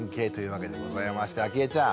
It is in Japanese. あきえちゃん。